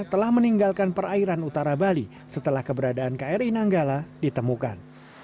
telah meninggalkan perairan utara bali setelah keberadaan kri nanggala ditemukan